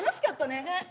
ねっ。